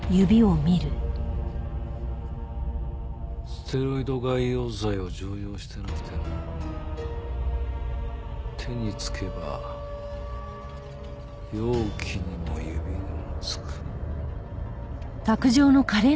ステロイド外用剤を常用してなくても手に付けば容器にも指にも付く。